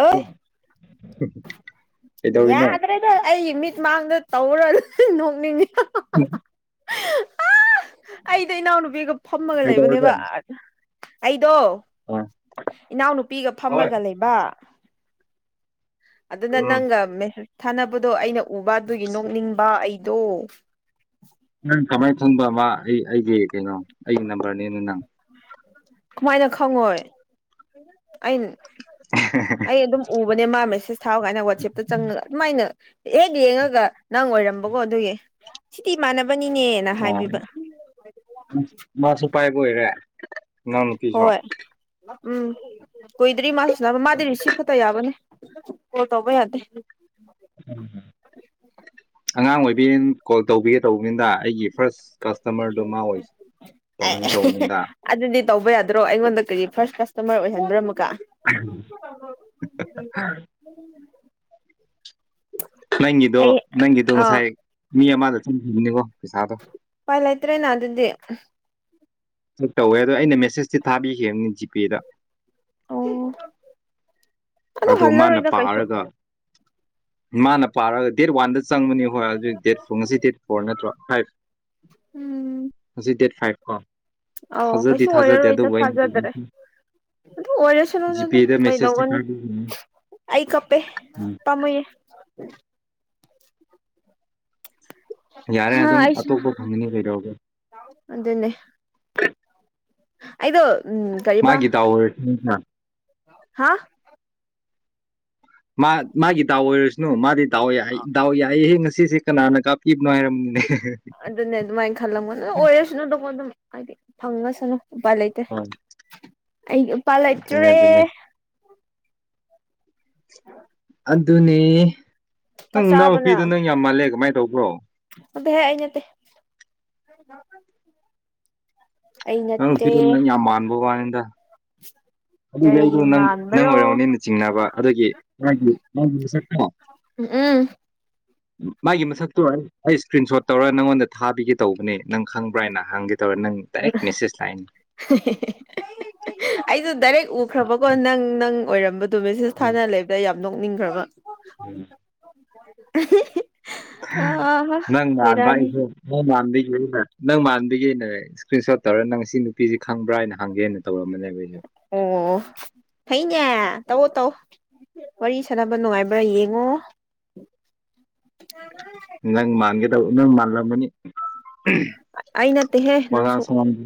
ꯑꯣ ꯀꯩꯗꯧꯔꯤꯅꯣ ꯌꯥ꯭ꯔꯦ ꯑꯩ ꯃꯤꯠꯃꯥꯡꯗ ꯇꯧꯔ ꯅꯣꯛꯅꯤꯡꯉ ꯎꯝ ꯑꯩꯗꯤ ꯏꯅꯥꯎꯅꯨꯄꯤꯒ ꯐꯝꯃꯒ ꯀꯩꯗꯧꯔꯒꯦ ꯂꯩꯕꯅꯦꯕ ꯑꯩꯗꯣ ꯑꯥ ꯏꯅꯥꯎꯅꯨꯄꯤꯒ ꯐꯝꯃꯒ ꯂꯩꯕ ꯑꯗꯨꯅ ꯅꯪꯒ ꯃꯦꯁꯦꯁ ꯊꯥꯅꯕꯗꯣ ꯑꯩꯅ ꯎꯕ ꯑꯗꯨꯒꯤ ꯅꯣꯛꯅꯤꯡꯕ ꯑꯩꯗꯣ ꯅꯪ ꯀꯃꯥꯏꯅ ꯊꯪꯕ ꯑꯃ ꯑꯩ ꯑꯩꯒꯤ ꯀꯩꯅꯣ ꯑꯩꯒꯤ ꯅꯝꯕꯔꯅꯦꯅ ꯅꯪ ꯀꯃꯥꯏꯅ ꯈꯪꯉꯣꯏ ꯑ ꯑꯩ ꯑꯗꯨꯝ ꯎꯕꯅꯦ ꯃꯥ ꯃꯦꯁꯦꯁ ꯊꯥꯎ ꯀꯥꯏꯅ ꯋꯥꯆꯦꯞꯇ ꯆꯪꯉꯒ ꯑꯗꯨꯃꯥꯏꯅ ꯑꯦ ꯂꯡꯉꯒ ꯅꯪ ꯑꯣꯏꯔꯝꯕꯀꯣ ꯑꯗꯨꯒꯤ ꯁꯤꯗꯤꯤ ꯃꯥꯟꯅꯕꯅꯤꯅꯦ ꯑ ꯃꯥꯁꯨ ꯎꯄꯥꯏ ꯑꯣꯏꯔꯦ ꯏꯅꯥꯎ ꯅꯨꯄꯤꯁꯨ ꯍꯣꯏꯣꯏ ꯎꯝ ꯀꯨꯏꯗ꯭ꯔꯤ ꯃꯥꯁꯨꯅꯕ ꯃꯥꯗꯤ ꯔꯤꯁꯤꯞ ꯐꯠꯇ ꯌꯥꯕꯅꯦ ꯀꯣꯜ ꯇꯧꯕ ꯌꯥꯗꯦ ꯎꯝꯝ ꯑꯉꯥꯡ ꯑꯣꯏꯕꯤꯅ ꯀꯣꯜ ꯇꯧꯕꯤꯒꯦ ꯇꯧꯕꯅꯤꯗ ꯑꯩꯒꯤ ꯐꯥꯔꯁ ꯀꯁꯇꯃꯔꯗꯨ ꯃꯥ ꯑꯣꯏ ꯇꯧꯍꯟ ꯑꯦ ꯇꯧꯅꯤꯗ ꯑꯗꯨꯗꯤ ꯇꯧꯕ ꯌꯥꯗ꯭ꯔꯣ ꯑꯩꯉꯣꯟꯗ ꯀꯔꯤ ꯐꯥꯔꯁ ꯀꯁꯇꯃꯔ ꯑꯣꯏꯍꯟꯕ꯭ꯔꯥꯃꯒ ꯎ ꯍ ꯅꯪꯒꯤꯗꯣ ꯑꯩ ꯅꯪꯒꯤꯗꯣ ꯑꯥ ꯉꯁꯥꯏ ꯃꯤ ꯑꯃꯗ ꯊꯟꯈꯤꯕꯅꯤꯀꯣ ꯄꯩꯁꯥꯗꯣ ꯄꯥꯏ ꯂꯩꯇ꯭ꯔꯦꯅ ꯑꯗꯨꯗꯤ ꯇꯧꯋꯦ ꯑꯗ ꯑꯩꯅ ꯃꯦꯁꯦꯁꯇꯤ ꯊꯥꯕꯤꯈꯤꯈꯤꯕꯅꯤ ꯖꯤꯄꯦꯗ ꯑꯣ ꯑꯗꯣ ꯃꯥꯅ ꯍꯜꯔꯣꯣꯏꯗ ꯀꯩꯁꯨ ꯄꯥꯔꯒ ꯃꯥꯅ ꯄꯥꯔꯒ ꯗꯦꯠ ꯋꯥꯟꯗ ꯆꯪꯕꯅꯤ ꯍꯣꯏ ꯑꯗꯨ ꯗꯦꯠ ꯐꯣꯔ ꯉꯁꯤ ꯗꯦꯠ ꯐꯣꯔ ꯅꯠꯇ꯭ꯔꯣ ꯐꯥꯏꯚ ꯎꯝ ꯍꯧꯖꯤꯛ ꯗꯦꯠ ꯐꯥꯏꯚ ꯀꯣ ꯑꯧ ꯊꯥꯖꯗꯤ ꯀꯩꯁꯨ ꯊꯥꯖꯗꯦ ꯑꯣꯏꯔꯔꯣꯏꯗ ꯑꯗꯨꯕꯨ ꯑꯩꯅ ꯊꯥꯖꯗ꯭ꯔꯦ ꯑꯣꯏꯔꯁꯨꯔꯗ ꯑꯗꯨ ꯖꯤꯄꯦꯗ ꯀꯣꯏ ꯃꯦꯁꯦꯁꯇ ꯗꯧꯕꯅꯤ ꯑꯩ ꯀꯞꯄꯦ ꯎꯝ ꯄꯃꯨꯌꯦꯦ ꯌꯥꯔꯦ ꯑꯗꯨꯝ ꯑꯇꯣꯞꯄ ꯐꯪꯒꯅꯤ ꯀꯩꯗꯧꯔꯒꯦ ꯑꯗꯨꯗꯅꯦ ꯑꯗꯣ ꯎꯝ ꯃꯥꯒꯤ ꯇ ꯑꯋꯥ ꯍꯥꯥ ꯃꯥ ꯃꯥꯒꯤ ꯗꯥꯎ ꯑꯣꯏꯔꯁꯅꯨ ꯃꯥꯗꯤ ꯗꯥꯎ ꯌꯥꯏ ꯗꯥꯎ ꯌꯥꯏꯍꯦ ꯉꯁꯤꯁꯦ ꯀꯅꯥꯅ ꯀꯥꯞꯄꯤꯕꯅꯣ ꯍꯥꯏꯔꯝꯅꯤꯅꯣ [unintelligible] ꯑꯗꯨꯅꯦ ꯑꯗꯨꯃꯥꯏꯅ ꯈꯜꯂꯝꯒ ꯅꯣꯏ ꯑꯣꯏꯔꯁꯅꯨ ꯑꯗꯨꯝ ꯑꯗꯨꯝ ꯍꯥꯏꯗꯤ ꯐꯪꯉꯁꯅꯨ ꯎꯄꯥ ꯂꯩ ꯂꯩꯇ꯭ꯔꯦ ꯍꯣꯏ ꯑꯩ ꯎꯄꯥ ꯂꯩ ꯑꯗꯨꯅꯦ ꯂꯩꯇꯨꯔꯦ ꯑꯗꯨꯅꯦ ꯑꯗꯨꯅꯦ ꯆꯥꯛ ꯅꯪ ꯆꯥꯔꯕꯣ ꯏꯅꯥꯎꯅꯨꯄꯤꯗꯨ ꯅꯪ ꯌꯥꯝ ꯃꯥꯜꯂꯦ ꯀꯃꯥꯏꯅ ꯇꯧꯕ꯭ꯔꯣ ꯑꯗꯨꯗ ꯍꯏꯉꯠꯇ ꯅꯪ ꯐꯤꯝ ꯅꯪ ꯌꯥꯝ ꯃꯥꯟꯕꯕ ꯋꯥꯅꯤ [unintelligible] ꯑꯗꯨꯒꯤ ꯑꯩꯗꯣ ꯅꯪ ꯅꯪ ꯃꯥꯟꯕ꯭ꯔꯣ ꯑꯣꯏꯔꯝꯃꯅꯤꯅ ꯆꯤꯡꯅꯕ ꯑꯗꯨꯒꯤ ꯃꯥꯒꯤ ꯃꯥꯒꯤ ꯃꯁꯛꯣ ꯎꯝ ꯃꯥꯒꯤ ꯃꯁꯛꯇꯣ ꯑꯩ ꯏꯁꯀ꯭ꯔꯤꯟ ꯁꯣꯠ ꯇꯧꯔ ꯅꯪꯉꯣꯟꯗ ꯊꯥꯕꯤꯒꯦ ꯇꯧꯕꯅꯦ ꯅꯪ ꯈꯪꯕ꯭ꯔꯥ ꯍꯥꯏꯅ ꯍꯪꯒꯦ ꯇꯧꯔ ꯅꯪ ꯇꯔꯦ ꯃꯤꯁꯁ ꯂꯥꯏꯟ ꯑꯩꯁꯨ ꯗꯥꯏꯔꯦꯛ ꯎꯈ꯭ꯔꯕꯀꯣ ꯅꯪ ꯅꯪ ꯑꯣꯏꯔꯝꯕ ꯑꯗꯨꯣ ꯃꯦꯁꯤꯁ ꯎꯝ ꯊꯥꯅ ꯂꯩꯕꯗ ꯌꯥꯝ ꯅꯣꯛꯅꯤꯡꯈ꯭ꯔꯕ ꯎꯝ ꯑ ꯅꯪ ꯕꯦꯔꯥꯅꯤ ꯃꯥꯟꯕꯥꯟꯕꯁꯨ ꯅꯪ ꯃꯥꯟꯒꯦꯅꯦ ꯅꯪ ꯃꯥꯟꯗꯤꯒꯦꯅꯦ ꯏꯁꯀ꯭ꯟ ꯁꯣꯠ ꯇꯧꯔꯒ ꯅꯪ ꯉꯁꯤ ꯅꯨꯄꯤꯁꯤ ꯈꯕ꯭ꯔꯥ ꯍꯥꯏꯅ ꯍꯪꯒꯦꯅ ꯇꯧꯔꯝꯅꯦꯕꯁꯨ ꯑꯣ ꯊꯩꯅꯦ ꯇꯧ ꯇꯧ ꯋꯥꯔꯤ ꯁꯥꯟꯅꯕ ꯅꯨꯡꯉꯥꯏꯕ꯭ꯔꯥ ꯌꯦꯡꯉꯣ ꯅꯪ ꯃꯥꯟꯒꯦ ꯇꯕ ꯅꯪ ꯃꯥꯟꯂꯝꯕꯅꯤ ꯑꯩ ꯅꯠꯇꯦꯍꯦ ꯅꯪꯁꯨ ꯁꯉꯥꯡꯗꯤ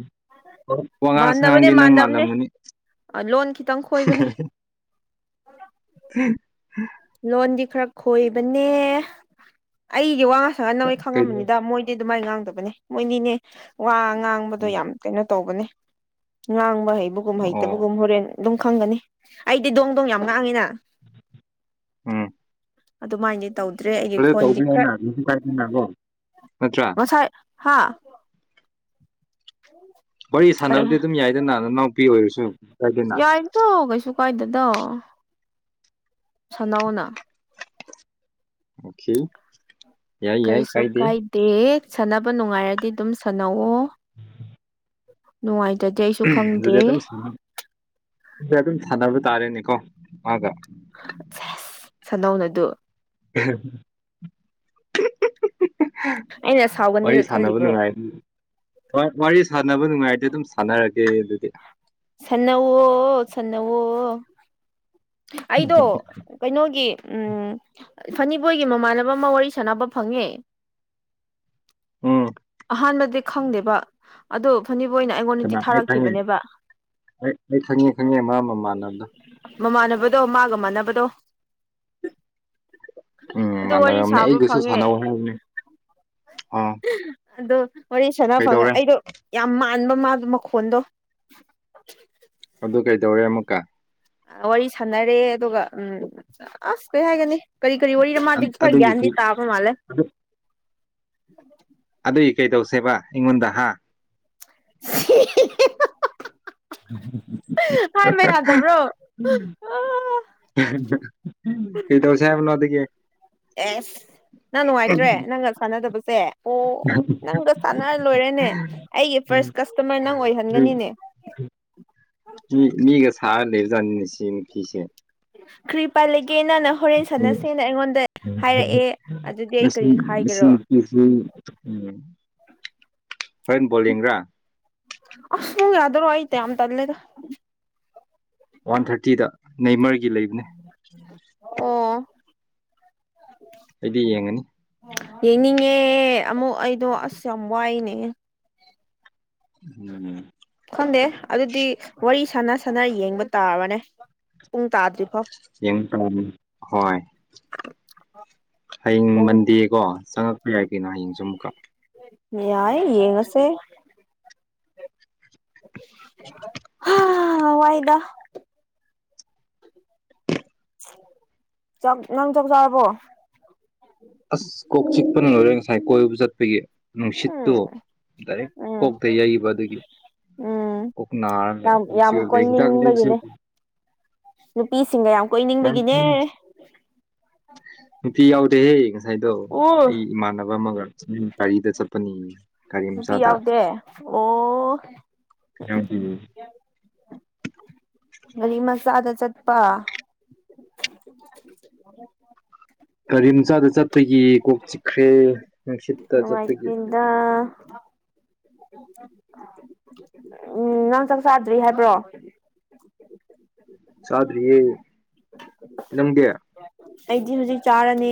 ꯋꯥꯉꯥꯡ ꯃꯥꯟꯗꯕꯅꯦ ꯁꯉꯥꯡꯗꯤ ꯅꯪ ꯃꯥꯟꯗꯕꯅꯦ ꯃꯥꯜꯂꯝꯒꯅꯤ ꯂꯣꯟ ꯈꯤꯇꯪ ꯈꯣꯏꯕꯅꯦ ꯐꯦꯛ ꯂꯣꯟꯗꯤ ꯈꯔ ꯈꯣꯏꯕꯅꯦ ꯑꯩꯗꯤ ꯋꯥ ꯉꯥꯡ ꯁꯍ ꯅꯣꯏ ꯀꯩꯅꯣ ꯈꯪꯉꯝꯕꯅꯤꯗ ꯃꯣꯏ ꯑꯗꯨꯃꯥꯏꯅ ꯉꯥꯡꯗꯕꯅꯦ ꯃꯣꯏꯅꯤꯅꯦ ꯋꯥ ꯉꯥꯡꯕꯗꯣ ꯌꯥꯝ ꯀꯩꯅꯣ ꯇꯧꯕꯅꯦ ꯉꯥꯡꯕ ꯍꯩꯕꯒꯨꯝ ꯑꯣ ꯍꯩꯇꯕꯒꯨꯝ ꯍꯣꯔꯦꯟ ꯑꯗꯨꯝ ꯈꯪꯒꯅꯤ ꯑꯩꯗꯤ ꯗꯣꯡ ꯗꯣꯡ ꯌꯥꯝ ꯉꯥꯡꯉꯤꯅ ꯎꯝ ꯑꯗꯨꯃꯥꯏꯗꯤ ꯇꯧꯗ꯭ꯔꯦ ꯑꯩꯒꯤ ꯑꯗꯨ ꯈꯣꯟꯗꯤ ꯈꯔ ꯇꯧꯕꯤꯌꯣꯅ ꯀꯩꯁꯨ ꯀꯥꯏꯗꯦꯅꯀꯣ ꯅꯠꯇ꯭ꯔꯥ ꯉꯁꯥꯏ ꯍꯥꯥ ꯋꯥꯔꯤ ꯀꯔꯤ ꯁꯥꯟꯅꯕꯗꯤ ꯑꯗꯨꯝ ꯌꯥꯏꯗꯅ ꯅꯅꯥꯎꯄꯤ ꯑꯣꯏꯔꯁꯨ ꯀꯥꯏꯗꯦꯅ ꯌꯥꯏ ꯇ ꯀꯩꯁꯨ ꯀꯥꯏꯗꯗꯣ ꯁꯅꯧꯅ ꯑꯣꯈ ꯀꯔꯤꯁꯨ ꯀꯥꯏꯗꯦ ꯁꯥꯟꯅꯕ ꯅꯨꯡꯉꯥꯏꯔꯗꯤ ꯑꯗꯨꯝ ꯁꯥꯟꯅꯧꯑꯣ ꯅꯨꯡꯉꯥꯏꯖꯗꯦ ꯑꯗꯨꯗꯤ ꯑꯗꯨꯝ ꯑꯗꯨ ꯑꯗꯨꯝ ꯁꯥꯟꯅꯕ ꯇꯥꯔꯦꯅꯦꯀꯣ ꯃꯥꯒ ꯁꯦꯁ ꯁꯟꯗꯧꯅ ꯑꯗꯨ [inaudible] ꯑꯩꯅ [inaudible] ꯋꯥꯔꯤ ꯁꯥꯎꯒꯅꯤꯒ ꯁꯥꯟꯅꯕ ꯈꯜꯂꯤꯕ꯭ꯔꯣ ꯅꯨꯡꯉꯥꯏ ꯑꯗꯨ ꯋꯥꯔꯤ ꯁꯥꯟꯅꯕ ꯅꯨꯡꯉꯥꯏꯔꯗꯤ ꯑꯗꯨꯝ ꯁꯥꯟꯅꯔꯒꯦ ꯑꯗꯨꯗꯤ ꯁꯅꯋꯣ ꯁꯅꯋꯣ ꯑꯩꯗꯣ ꯀꯩꯅꯣꯒꯤ ꯎꯝ ꯐꯅꯤꯕꯣꯏꯒꯤ ꯃꯃꯥꯟꯅꯕ ꯑꯃ ꯋꯥꯔꯤ ꯁꯥꯟꯅꯕ ꯐꯪꯉꯦ ꯎꯝ ꯑꯍꯥꯟꯕꯗꯤ ꯈꯪꯗꯦꯕ ꯑꯗꯨ ꯐꯅꯤꯕ ꯑꯣꯏꯅ ꯀꯅꯥ ꯑꯩꯉꯣꯟꯗꯗꯤ ꯑꯩ ꯈꯪꯉꯦ ꯊꯥꯔꯛꯈꯤꯕꯅꯦꯕ ꯑꯩ ꯑꯩ ꯈꯪꯉꯦ ꯈꯪꯉꯦ ꯃꯥ ꯑꯃ ꯃꯥꯟꯅꯕꯗ ꯃꯃꯥꯟꯅꯕꯗꯣ ꯃꯥꯒ ꯃꯥꯟꯅꯕꯗꯣ ꯎꯝ ꯑꯗꯨ ꯃꯥꯟꯔ ꯋꯥꯔꯤ ꯁꯥꯕ ꯑꯩꯒꯁꯨ ꯐꯪꯉꯦ ꯁꯅꯕꯨ ꯍ ꯑ ꯑꯗꯣ ꯋꯥꯔꯤ ꯁꯅꯥ ꯐꯪꯉꯦ ꯑꯩꯗꯣ ꯌꯥꯝ ꯃꯥꯟꯕ ꯃꯥꯗꯣ ꯃꯈꯣꯟꯗꯣ ꯑꯗꯨ ꯀꯩꯗꯧꯔꯦ ꯑꯃꯨꯛꯀ ꯋꯥꯔꯤ ꯁꯥꯟꯅꯔꯦ ꯑꯗꯨꯒ ꯎꯝ ꯑꯁ ꯀꯩ ꯍꯥꯏꯒꯅꯤ ꯀꯔꯤ ꯀꯔꯤ ꯋꯥꯔꯤꯔꯤ ꯔꯃꯥꯗ ꯊꯔ ꯑꯗꯨꯒꯤ ꯌꯥꯗꯤ ꯇꯥꯄꯃꯜ ꯑ ꯎ ꯑꯗꯨꯏ ꯀꯩ ꯇꯧꯁꯦꯕ ꯑꯩꯉꯣꯟꯗ ꯍꯥ ꯁꯤ ꯎꯝ ꯎꯝ ꯍꯥꯏꯕ ꯌꯥꯗꯕ꯭ꯔꯣ ꯀꯗꯧ ꯁꯥꯦꯕ ꯅ ꯑꯗꯨꯒ ꯑꯦꯁ ꯅꯪ ꯅꯨꯡꯉꯥꯏꯇ꯭ꯔꯦ ꯅꯪꯒ ꯁꯥꯟꯅꯗꯕꯁꯦ ꯑꯣ ꯅꯪꯒ ꯁꯥꯟꯅꯔ ꯂꯣꯏꯔꯦꯅꯦ ꯑꯩꯒꯤ ꯎꯝ ꯐꯥꯔꯁ ꯀꯁꯇꯃꯔ ꯅꯪ ꯃꯤ ꯑꯣꯏꯍꯟꯒꯅꯤꯅꯦ ꯃꯤ ꯃꯤꯒ ꯁꯥꯔꯒ ꯂꯩꯕꯖꯥꯠꯅꯤꯅꯦ ꯁꯤ ꯅꯨ ꯐꯤꯁꯦ ꯀ꯭ꯔꯤꯄꯥ ꯂꯩꯒꯦꯅꯅ ꯍꯣꯔꯦꯟ ꯎꯝ ꯁꯥꯟꯅꯁꯦꯅ ꯑꯩꯉꯣꯟꯗ ꯍꯥꯏꯔꯛꯑꯦ ꯑꯗꯨꯗꯤ ꯑꯩ ꯉꯁꯤ ꯀꯔꯤ ꯉꯁꯤ ꯍꯥꯏꯒꯦꯔꯣ ꯎꯝ ꯍꯣꯔꯦꯟ ꯕꯣꯜ ꯌꯦꯡꯕ꯭ꯔꯥ ꯑꯁ ꯎꯨꯡ ꯌꯥ꯭ꯔꯣ ꯑꯥꯏꯇꯦ ꯑꯝ ꯇꯂꯦꯗ ꯋꯥꯟ ꯊꯥꯔꯇꯤꯗ ꯅꯃꯔꯒꯤ ꯂꯩꯕꯅꯦ ꯑꯣ ꯑꯩꯗꯤ ꯌꯦꯡꯉꯅꯤ ꯌꯦꯡꯅꯤꯡꯉꯦ ꯑꯃꯨꯛ ꯑꯩꯗꯣ ꯑꯁ ꯌꯥꯝ ꯋꯥꯏꯅꯦ ꯎꯝ ꯈꯪꯗꯦ ꯑꯗꯨꯗꯤ ꯋꯥꯔꯤ ꯁꯥꯟꯅ ꯁꯥꯟꯅ ꯌꯦꯡꯕ ꯇꯥꯔꯕꯅꯦ ꯄꯨꯡ ꯇꯥꯗ꯭ꯔꯤꯐꯥꯎ ꯌꯦꯡ ꯍꯣꯏ ꯍꯌꯦꯡ ꯄꯨꯡ ꯃꯟꯗꯦꯀꯣ ꯆꯪꯉꯛꯄ ꯌꯥꯏ ꯀꯩꯅꯣ ꯍꯌꯦꯡꯁꯨ ꯑꯃꯨꯛꯀ ꯌꯥꯏ ꯌꯦꯡꯉꯁꯦ ꯑ ꯋꯥꯏꯗ ꯆ ꯅꯪ ꯆ ꯆꯔꯕꯣ ꯑꯁ ꯀꯣꯛ ꯆꯤꯛꯄꯅ ꯂꯣꯏꯔꯦ ꯉꯁꯥꯏ ꯀꯣꯏꯕ ꯆꯠꯄꯒꯤ ꯎꯝ ꯅꯨꯡꯁꯤꯠꯇꯨ ꯗꯥꯏꯔꯦꯛ ꯎꯝ ꯀꯣꯛꯇ ꯌꯩꯕ ꯑꯗꯨꯒꯤ ꯎꯝ ꯀꯅꯔ ꯌꯥꯝ ꯌꯥꯝ ꯀꯣꯏꯅꯤꯡꯕꯒꯤꯅꯦ ꯅꯨꯄꯤꯁꯤꯡꯒ ꯌꯥꯝ ꯀꯣꯏꯅꯤꯡꯕꯒꯤꯅꯦ ꯅꯨꯄꯤ ꯌꯥꯎꯗꯦꯍꯦ ꯉꯁꯥꯏꯗꯣ ꯎ ꯑꯩ ꯏꯃꯥꯟꯅꯕ ꯑꯃꯒ ꯒꯥꯔꯤꯗ ꯆꯠꯄꯅꯤ ꯒꯥꯔꯤ ꯅꯨꯄꯤ ꯃꯆꯥꯗ ꯌꯥꯎꯗꯦ ꯑꯣ ꯒꯥꯔꯤ ꯃꯆꯥꯗ ꯆꯠꯄ ꯒꯥꯔꯤ ꯃꯆꯥꯗ ꯆꯠꯄꯒꯤ ꯀꯣꯛ ꯆꯤꯛꯈ꯭ꯔꯦ ꯅꯨꯡꯁꯤꯠꯇ ꯆꯠꯄꯒꯤ ꯑ ꯎꯝ ꯅꯪ ꯆꯥꯛ ꯆꯥꯗ꯭ꯔꯤ ꯍꯥꯏꯕ꯭ꯔꯣ ꯆꯥꯗ꯭ꯔꯤꯌꯦ ꯅꯪꯒꯦ ꯑꯩꯗꯤ ꯍꯧꯖꯤꯛ ꯆꯥꯔꯅꯤ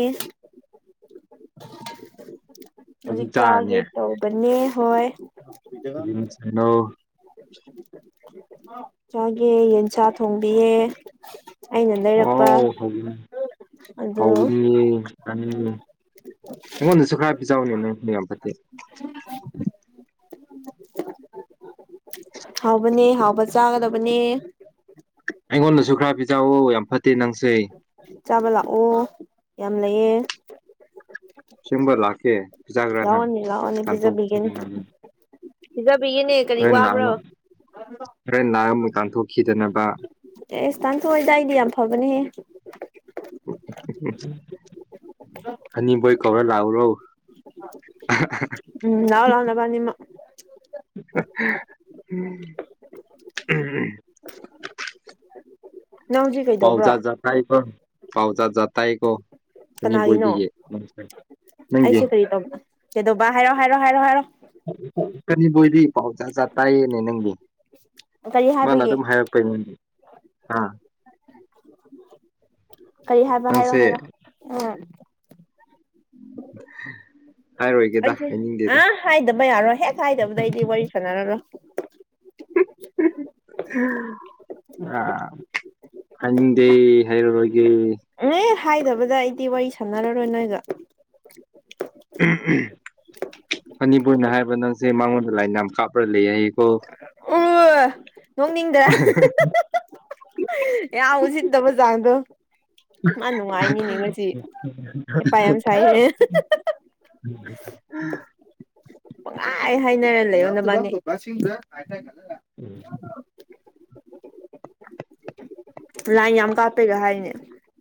ꯑꯗꯨꯝ ꯍꯧꯖꯤꯛ ꯆꯥꯒꯦ ꯆꯥꯔꯅꯤ ꯇꯧꯕꯅꯦ ꯍꯣꯏ ꯇ ꯁꯅꯣ ꯆꯥꯒꯦ ꯌꯦꯟꯁꯥ ꯊꯣꯡꯕꯤꯌꯦ ꯑꯩꯅ ꯂꯩꯔꯛꯄ ꯑꯣ ꯍꯅꯤ ꯑꯗꯨ ꯍꯥꯎꯒꯅꯤ ꯎꯝ ꯑꯩꯉꯣꯟꯗꯁꯨ ꯈꯔ ꯄꯤꯖꯥꯎꯅꯦ ꯅꯪ ꯃ ꯌꯥꯝ ꯐꯠꯇꯦ ꯍꯥꯎꯕꯅꯦ ꯍꯥꯎꯕ ꯆꯥꯒꯗꯕꯅꯦ ꯑꯩꯉꯣꯟꯗꯁꯨ ꯈꯔ ꯄꯤꯖꯥꯛꯑꯣ ꯌꯥꯝ ꯐꯠꯇꯦ ꯅꯪꯁꯩ ꯆꯥꯕ ꯂꯥꯛꯑꯣ ꯌꯥꯝ ꯂꯩꯌꯦ ꯁꯕꯔ ꯂꯈꯦ ꯂꯥꯛꯑꯅꯤ ꯂꯥꯛꯑꯣꯅꯤ ꯄꯤꯖꯕꯤꯒꯦꯅꯤ ꯄꯤꯖꯕꯤꯒꯦꯅꯦ ꯀꯔꯤ ꯋꯥꯕ꯭ꯔꯥ ꯈꯔ ꯂꯥꯏ ꯑꯃꯨꯛ ꯇꯥꯟꯊꯣꯛꯈꯤꯗꯅꯕ ꯑꯦ ꯏꯁꯇꯥꯟꯊꯣꯛꯏꯗꯥꯏꯗꯤ ꯌꯥꯝ ꯐꯕꯅꯦꯍꯦ ꯎꯝ ꯎꯝ ꯑꯅꯤꯕꯣꯏ ꯀꯧꯔ ꯂꯥꯛꯎꯔꯣ ꯎꯝ ꯅꯎ ꯂꯥꯎꯅꯕꯅꯤꯃ ꯝ ꯎꯝ ꯅꯪ ꯍꯧꯖꯤꯛ ꯄꯥꯎꯖꯥ ꯀꯩꯗꯧꯕ꯭ꯔꯣ ꯇ ꯀ ꯄꯥꯎꯖꯥ ꯇꯥꯀ ꯀꯅꯥꯒꯤꯅꯣ ꯑꯅꯤꯕꯣꯏꯗꯤꯒꯦ ꯅꯪꯒꯤ ꯇ ꯀꯦꯗꯧꯕꯕꯥ ꯍꯥꯏꯔꯣ ꯍꯥꯏꯔꯣ ꯍꯥꯏꯔꯣ ꯍꯥꯏꯔꯣ ꯀꯅꯤꯕꯨꯣꯏꯗꯤ ꯄꯥꯎ ꯆꯥ ꯆꯥ ꯇꯥꯏꯌꯦꯅꯦ ꯅꯪꯗꯤ ꯀꯔꯤ ꯃꯥꯅ ꯍꯥꯏꯕꯒꯤ ꯑꯗꯨꯝ ꯍꯥꯏꯔꯛꯄꯩꯅꯦꯗꯤ ꯑꯥ ꯀꯔꯤ ꯍꯥꯏꯕ ꯍꯥꯏꯔꯣ ꯍꯥꯏꯔꯣ ꯎꯝ [inaudible] ꯑꯩꯁꯦ ꯍꯥꯏꯅꯤꯡꯗꯦꯗ ꯑꯥ ꯍꯥꯏꯗꯕ ꯌꯥꯔꯣꯏ ꯍꯦꯛ ꯍꯥꯏꯗꯕꯗꯩꯗꯤ ꯋꯥꯔꯤ ꯁꯥꯟꯅꯔꯔꯣꯏ [unintelligible] ꯍꯥꯏꯅꯤꯡꯗꯦ ꯍꯥꯏꯔꯥꯔꯣꯏꯒꯦ ꯑꯦ ꯍꯥꯏꯗꯕꯗ ꯑꯩꯗꯤ ꯋꯥꯔꯤ ꯁꯥꯟꯅꯔꯔꯣꯏ ꯅꯣꯏꯒꯥ ꯑꯅꯤꯄꯨꯔꯅ ꯍꯥꯏꯕ ꯅꯪꯁꯦ ꯃꯉꯣꯟꯗ ꯂꯥꯏꯟ ꯌꯥꯝ ꯀꯥꯞꯂꯒ ꯂꯩ ꯍꯥꯏꯀꯣ ꯑꯣꯏ ꯅꯣꯛꯅꯤꯡꯗ꯭ꯔꯥ ꯌꯥꯝ ꯎꯁꯤꯠꯇꯕ ꯆꯥꯡꯗꯣ ꯃꯥ ꯅꯨꯡꯉꯥꯏꯅꯤꯅꯦ ꯉꯁꯤ ꯍꯩꯄꯥ ꯌꯥꯝ ꯁꯥꯏꯍꯦ [unintelligible] [unintelligible] ꯄꯪꯍꯥꯏ ꯍꯥꯏꯅꯔꯥ ꯂꯩꯔꯣ ꯅꯕꯅꯤ ꯎꯝ ꯂꯥꯏꯟ ꯌꯥꯝ ꯀꯥꯞꯄꯩꯒ ꯍꯥꯏꯅꯦ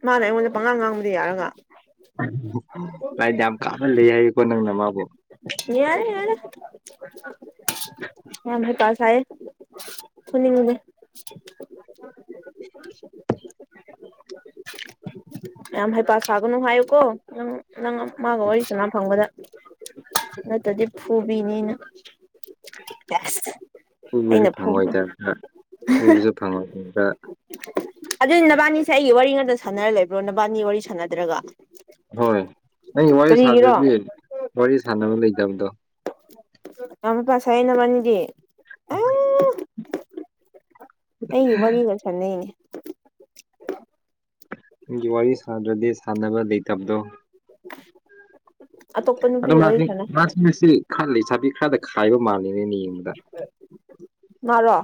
ꯃꯥꯅ ꯑꯩꯉꯣꯟꯗ ꯄꯪꯉꯥꯟ ꯉꯥꯡꯕꯗꯤ ꯌꯥꯔꯒꯥ ꯂꯥꯏꯟ ꯌꯥꯝ ꯀꯥꯞꯍꯟ ꯂꯩ ꯍꯥꯏꯌꯦꯀꯣ ꯅꯪꯅ ꯃꯥꯕꯨ ꯌꯥꯔꯦ ꯌꯥꯔꯦ ꯌꯥꯝ ꯍꯩ ꯄꯥ ꯁꯥꯌꯦ ꯐꯨꯅꯤꯡꯗꯦ ꯌꯥꯝ ꯍꯩ ꯄꯥꯥ ꯁꯥꯒꯅꯨ ꯍꯥꯏꯌꯨꯀꯣ ꯅꯪ ꯅꯪ ꯃꯥꯒ ꯋꯥꯔꯤ ꯁꯟꯅꯥ ꯐꯪꯕꯗ ꯅꯠꯇꯗꯤ ꯐꯨꯕꯤꯅꯤ ꯑꯩꯅ ꯈꯨꯕꯁꯨ ꯐꯨꯕ ꯐꯪꯉꯣꯏꯗꯕꯗ ꯐꯕꯁꯨ ꯐꯪꯉꯣꯏꯗꯕꯗ ꯑꯗꯨꯗꯤ ꯅꯕꯥꯅꯤꯁꯦ ꯑꯩꯒꯤ ꯋꯥꯔꯤ ꯉꯥꯛꯇ ꯁꯥꯟꯅꯔ ꯂꯩꯕ꯭ꯔꯣ ꯅꯕꯥꯅꯤ ꯋꯥꯔꯤ ꯁꯥꯟꯅꯗ꯭ꯔꯒ ꯍꯣꯏ ꯅꯪꯒꯤ ꯋꯥꯔꯤ ꯀꯔꯤꯒꯤꯔꯣ ꯁꯥꯗ꯭ꯔꯗꯤ ꯋꯥꯔꯤ ꯁꯥꯟꯅꯕ ꯂꯩꯇꯕꯗꯣ ꯑꯋꯣꯠꯄꯥ ꯁꯥꯏ ꯅꯕꯅꯤꯗꯤ [inaudible] ꯑꯩꯒꯤ ꯋꯔꯤꯒꯥ ꯁꯥꯅꯩꯅꯦ ꯅꯪꯒꯤ ꯋꯥꯔꯤ ꯁꯥꯗ꯭ꯔꯗꯤ ꯁꯥꯟꯅꯕ ꯂꯩꯇꯕꯗꯣ [inaudible] ꯑꯗꯣ ꯅꯨꯄꯤꯒ ꯃꯥꯒꯤ ꯋꯥꯔꯤ ꯁꯥꯟꯅꯩ ꯃꯥꯁꯤꯡ ꯉꯁꯤ ꯈꯔ ꯂꯩꯁꯥꯕꯤ ꯈꯔꯗ ꯈꯥꯏꯕ ꯃꯥꯂꯦꯅꯦ ꯑꯩꯅ ꯌꯦꯡꯕꯗꯥ ꯃꯥꯔꯣ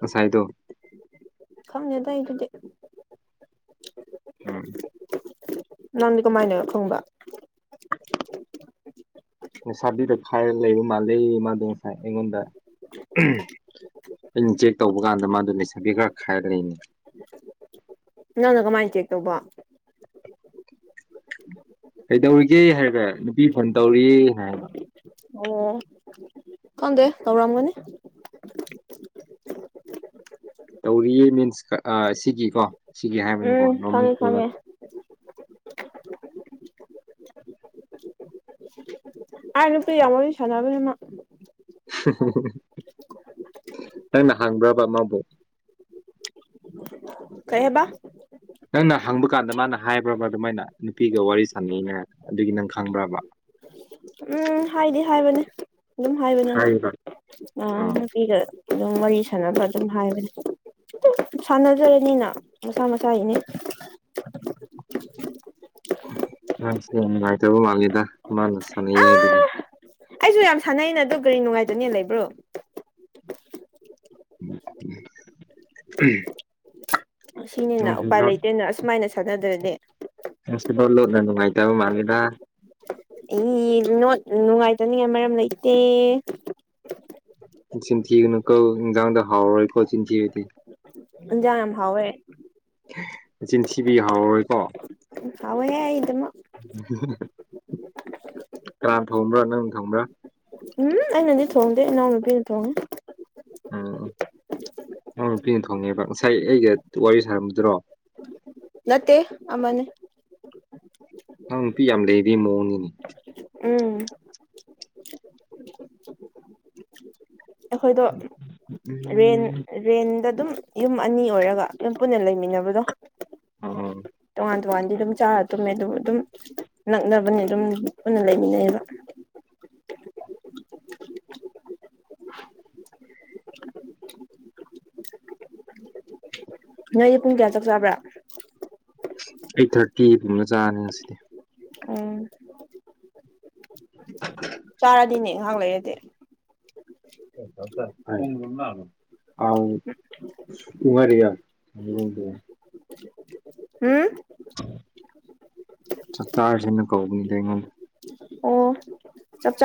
ꯉꯁꯥꯏꯗꯣ ꯈꯪꯗꯦꯗ ꯑꯩ ꯑꯗꯨꯗꯤ ꯎꯝ ꯅꯪꯗꯤ ꯀꯃꯥꯏꯅ ꯈꯪꯕ [unintelligible] ꯂꯩꯁꯥꯕꯤꯗ ꯈꯥꯏꯔꯒ ꯂꯩꯕ ꯃꯥꯜꯂꯦ ꯃꯥꯗꯣ ꯉꯁꯥꯏ ꯑꯩꯉꯣꯟꯗ ꯑꯩꯅ ꯆꯦꯛ ꯇꯧꯕ ꯀꯥꯟꯗ ꯃꯥꯗꯣ ꯂꯩꯁꯥꯕꯤ ꯈꯔ ꯈꯥꯏꯔ ꯂꯩꯅꯦ ꯅꯪꯅ ꯀꯃꯥꯏꯟ ꯆꯦꯛ ꯇꯧꯕꯣ ꯀꯩꯗꯧꯔꯤꯒꯦ ꯍꯥꯏꯔꯒ ꯅꯨꯄꯤ ꯐꯣꯟ ꯇꯧꯔꯤꯅ ꯍꯥꯏꯕ ꯑꯣ ꯈꯪꯗꯦ ꯇꯧꯔꯝꯒꯥꯅꯤ ꯇꯧꯔꯤꯌꯦ ꯃꯤꯟꯁ ꯁꯤꯒꯤꯀꯣ ꯁꯤꯒꯤ ꯍꯥꯏꯕꯅꯤ ꯎꯝ ꯈꯪꯉꯦ ꯈꯪꯉꯦ ꯑꯥ ꯅꯨꯄꯤ ꯌꯥꯝ ꯋꯥꯔꯤ ꯁꯥꯟꯅꯕꯅꯦ ꯃꯥ ꯅꯪꯅ ꯍꯥꯡꯕ꯭ꯔꯕ ꯃꯥꯕꯣ ꯀꯩ ꯍꯥꯏꯕ ꯅꯪꯅ ꯍꯪꯕ ꯀꯥꯟꯗ ꯃꯥꯅ ꯍꯥꯏꯕ꯭ꯔꯕ ꯑꯗꯨꯃꯥꯏꯅ ꯅꯨꯄꯤꯒ ꯋꯥꯔꯤ ꯁꯥꯟꯅꯩꯅ ꯑꯗꯨꯒꯤ ꯅꯪ ꯈꯪꯕ꯭ꯔꯕ ꯎꯝ ꯍꯥꯏꯗꯤ ꯍꯥꯏꯕꯅꯦ ꯑꯗꯨꯝ ꯍꯥꯏꯕꯅꯦ ꯃꯥ ꯍꯥꯏꯔꯤꯕ ꯑꯥ ꯅꯨꯄꯤꯒꯥ ꯑꯗꯨꯝ ꯋꯥꯔꯤ ꯁꯥꯟꯅꯕ ꯑꯗꯨꯝ ꯍꯥꯏꯕꯅꯤ ꯁꯥꯟꯅꯖꯔꯅꯤꯅ ꯃꯁꯥ ꯃꯁꯥꯒꯤꯅꯤ ꯑꯁ ꯌꯥꯝ ꯅꯨꯡꯉꯥꯏꯇꯕ ꯃꯥꯜꯂꯦꯗ ꯃꯥꯅ ꯁꯥꯟꯅꯩ ꯍꯥꯏꯕꯒꯤ ꯑꯩꯖꯨ ꯌꯥꯝ ꯁꯥꯟꯅꯩꯅ ꯑꯗꯣ ꯀꯔꯤ ꯅꯨꯡꯉꯥꯏꯇꯥꯅꯤꯉꯥꯏ ꯂꯩꯕ꯭ꯔꯣ ꯎꯝ ꯁꯤꯅꯤꯅ ꯎꯄꯥꯏ ꯂꯩꯇꯦꯅ ꯑꯁꯨꯃꯥꯏꯅ ꯁꯥꯟꯅꯗ꯭ꯔꯗꯤ ꯉꯁꯤꯗꯣ ꯂꯨꯠꯅ ꯅꯨꯡꯉꯥꯏꯇꯕ ꯃꯥꯜꯂꯤꯦꯗ ꯏ ꯅꯨꯡꯉꯥꯏꯇꯅꯤꯡꯉꯥꯏ ꯃꯔꯝ ꯂꯩꯇꯦ ꯆꯤꯟꯊꯤꯒꯅꯨ ꯀꯣ ꯏꯟꯖꯥꯡꯗ ꯍꯥꯎꯔꯔꯣꯏꯀꯣ ꯆꯤꯟꯊꯤꯔꯗꯤ ꯏꯟꯖꯥꯡ ꯌꯥꯝ ꯍꯥꯎꯋꯦ ꯆꯤꯟꯊꯤꯕꯩ ꯍꯥꯎꯔꯣꯏꯀꯣ ꯍꯥꯎꯋꯦꯍꯦ ꯑꯩ ꯗꯨꯝ ꯀꯅꯥ ꯊꯣꯡꯕ꯭ꯔꯥ ꯅꯪ ꯊꯣꯡꯕ꯭ꯔꯥ ꯎꯝ ꯑꯩꯅꯗꯤ ꯊꯣꯡꯗꯦ ꯏꯅꯥꯎ ꯅꯨꯄꯤꯅ ꯊꯣꯡꯉꯦ ꯎꯝ ꯅꯥꯎ ꯅꯨꯄꯤꯅ ꯊꯣꯡꯉꯦꯕ ꯉꯁꯥꯏ ꯑꯩꯒ ꯋꯥꯔꯤ ꯁꯥꯔꯝꯕꯗꯨꯔꯣ ꯅꯠꯇꯦ ꯑꯃꯅꯦ ꯅꯪ ꯅꯨꯄꯤ ꯌꯥꯝ ꯂꯩꯔꯤ ꯃꯑꯣꯡꯅꯤꯅꯦ ꯎꯝ ꯑꯩꯈꯣꯏꯗꯣ ꯔꯦꯟ ꯎꯝ ꯔꯦꯟꯗ ꯑꯗꯨꯝ ꯌꯨꯝ ꯑꯅꯤ ꯑꯣꯏꯔꯒ ꯑꯗꯨꯝ ꯄꯨꯟꯅ ꯂꯩꯃꯤꯟꯅꯕꯗꯣ ꯑꯣ ꯇꯣꯉꯥꯟ ꯇꯣꯉꯥꯟꯗꯤ ꯑꯗꯨꯝ ꯆꯥꯔ ꯇꯨꯝꯃꯦ ꯑꯗꯨꯕꯨ ꯑꯗꯨꯝ ꯅꯛꯅꯕꯅꯦ ꯑꯗꯨꯝ ꯄꯨꯟꯅ ꯂꯩꯃꯤꯟꯅꯩꯕ ꯅꯣꯏꯖꯤ ꯄꯨꯡ ꯀꯌꯥ ꯆꯥꯛ ꯆꯥꯕ꯭ꯔꯥ [inaudible] ꯑꯩꯠ ꯊꯥꯔꯇꯤꯒꯨꯝꯅ ꯆꯥꯔꯅꯤ ꯉꯁꯤꯗꯤ ꯎꯝ [inaudible] ꯆꯥꯔꯗꯤꯅꯦ ꯉꯥꯏꯍꯥꯛ ꯂꯩꯔꯗꯤ [inaudible] ꯀꯨꯃꯔꯤꯌꯥ ꯍꯝ ꯆꯥꯛ ꯆꯥꯔꯁꯤꯅ ꯀꯧꯕꯅꯤꯗ ꯑꯩꯉꯣꯟꯗ ꯑꯣ ꯆꯥꯛ ꯆꯥ